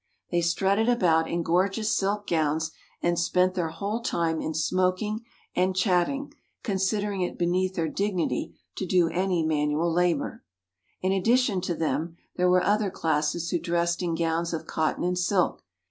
They strutted about in gorgeous silk gowns and spent their whole time in smoking and chatting, considering it beneath their dignity to do any manual labor. In addition to them, there were other classes who dressed in gowns of cotton and silk.